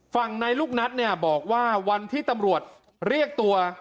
ฝั่งในลูกนัทเนี่ยบอกว่าวันที่ตำรวจเรียกตัว